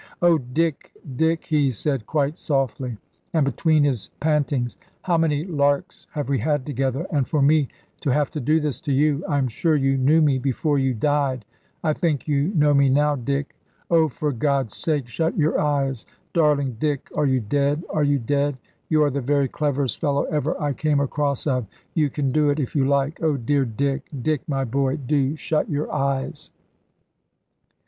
"Oh Dick, Dick," he said, quite softly, and between his pantings; "how many larks have we had together, and for me to have to do this to you! I am sure you knew me, before you died. I think you know me now, Dick. Oh, for God's sake, shut your eyes! Darling Dick, are you dead, are you dead? You are the very cleverest fellow ever I came across of. You can do it, if you like. Oh, dear Dick, Dick, my boy, do shut your eyes!"